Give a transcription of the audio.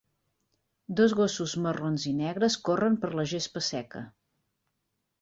Dos gossos marrons i negres corren per la gespa seca.